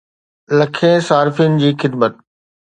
لکين صارفين جي خدمت